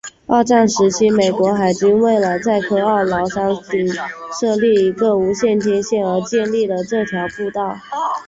二战时期美国海军为了在科奥劳山山顶设立无线电天线而建立了这条步道。